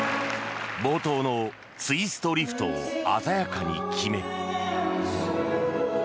冒頭のツイストリフトを鮮やかに決め。